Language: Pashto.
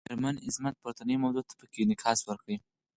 میرمن عظمت پورتنۍ موضوع ته پکې انعکاس ورکړی.